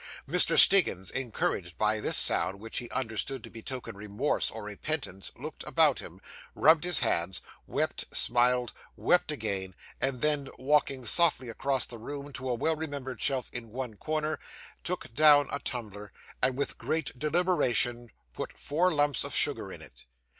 Mr. Stiggins, encouraged by this sound, which he understood to betoken remorse or repentance, looked about him, rubbed his hands, wept, smiled, wept again, and then, walking softly across the room to a well remembered shelf in one corner, took down a tumbler, and with great deliberation put four lumps of sugar in it.